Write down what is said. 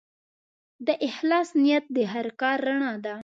د اخلاص نیت د هر کار رڼا ده.